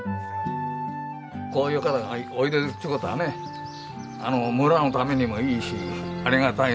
こういう方がおいでっちゅう事はね村のためにもいいしありがたいなあと。